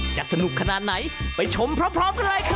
จะสนุกขนาดไหนไปชมพร้อมกันเลยครับ